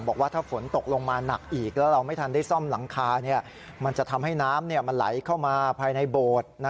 บอกว่าถ้าระดับตกลงมาหนักอีกเราไม่ทันได้ซ่อมหลังคาว่ามันจะทำให้น้ำไหลเข้ามาภายในโบด